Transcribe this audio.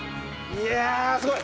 いやすごい。